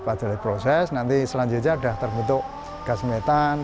lalu proses nanti selanjutnya sudah terbentuk gas metan